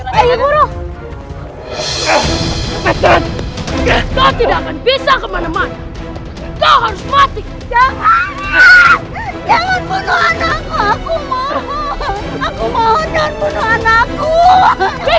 kau tidak bisa kemana mana kau harus mati